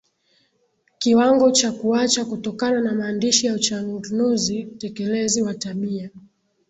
kiwango cha kuacha Kutokana na maandishi ya uchangnuzi tekelezi wa tabia